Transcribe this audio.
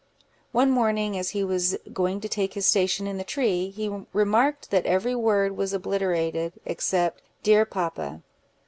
One morning, as he was going to take his station in the tree, he remarked that every word was obliterated, except "Dear papa."